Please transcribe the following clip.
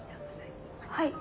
はい。